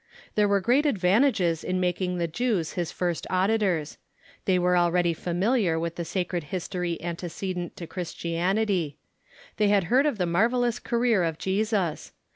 There Avcre great advantages in making the JcAVS his first auditors. They Avere already familiar Avith the sacred history antecedent to Christianity. They had heard of the marvellous career of Jesus.